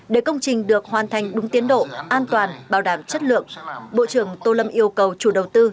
để công trình được hoàn thành đúng tiến độ an toàn bảo đảm chất lượng bộ trưởng tô lâm yêu cầu chủ đầu tư